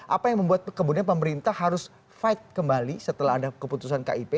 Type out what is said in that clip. apa yang membuat kemudian pemerintah harus fight kembali setelah ada keputusan kip